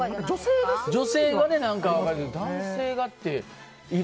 女性は何か分かるけど男性は。